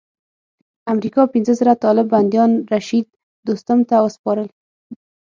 امریکا پنځه زره طالب بندیان رشید دوستم ته وسپارل.